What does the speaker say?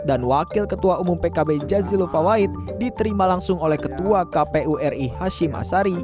dan wakil ketua umum pkb jazilufa wahid diterima langsung oleh ketua kpu ri hashim asari